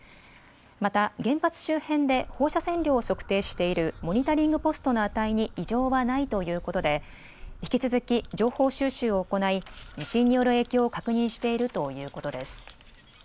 また原発周辺で放射線量を測定しているモニタリングポストの値に異常はないということで引き続き情報収集を行い地震による影響を確認しているということです。